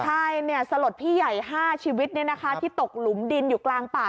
ใช่สลดพี่ใหญ่๕ชีวิตที่ตกหลุมดินอยู่กลางป่า